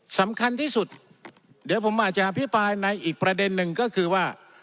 สำคัญที่สุดเดี๋ยวผมอาจจะอภิปรายในอีกประเด็นหนึ่งก็คือว่า